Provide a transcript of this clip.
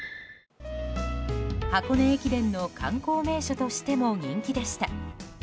箱根駅伝の観光名所としても人気でした。